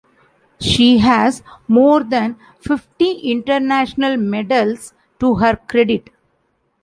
She has more than fifty international medals to her credit.